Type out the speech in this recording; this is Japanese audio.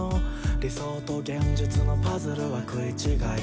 「理想と現実のパズルは食い違い」